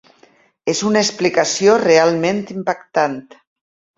És una explicació realment impactant.